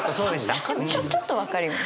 私はちょっと分かります。